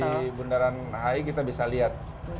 kalau kita turun di bundaran hi kita bisa lihat